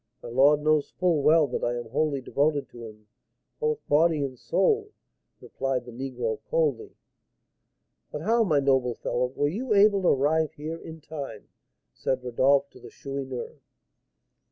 "My lord knows full well that I am wholly devoted to him, both body and soul," replied the negro, coldly. "But how, my noble fellow, were you able to arrive here in time?" said Rodolph to the Chourineur.